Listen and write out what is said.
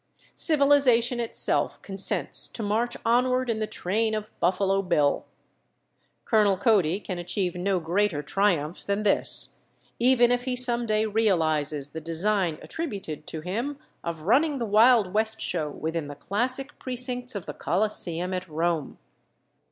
Civilization itself consents to march onward in the train of "Buffalo Bill." Colonel Cody can achieve no greater triumph than this, even if he some day realizes the design attributed to him of running the Wild West show within the classic precincts of the Coliseum at Rome.